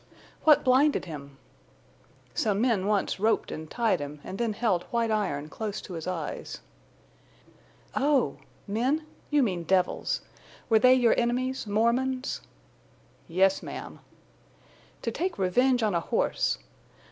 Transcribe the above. "What blinded him?" "Some men once roped an' tied him, an' then held white iron close to his eyes." "Oh! Men? You mean devils.... Were they your enemies—Mormons?" "Yes, ma'am." "To take revenge on a horse!